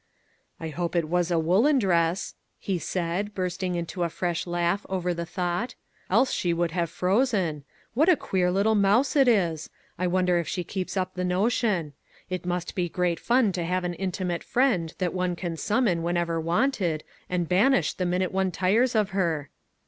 " I hope it was a woolen dress," he said, bursting into a fresh laugh over the thought, " else she would have frozen. What a queer little mouse it is! I wonder if she keeps up the notion? It must be great fun to have an intimate friend that one can summon whenever wanted, and banish the minute one tires of her."